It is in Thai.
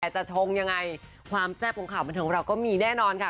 จะชงยังไงความแซ่บของข่าวบันเทิงเราก็มีแน่นอนค่ะ